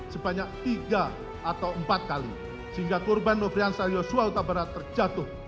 sebanyak tiga atau empat kali sehingga korban nofriansah yosua utabarat terjatuh